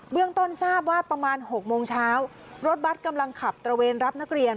เรื่องต้นทราบว่าประมาณ๖โมงเช้ารถบัตรกำลังขับตระเวนรับนักเรียน